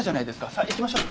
さあ行きましょう。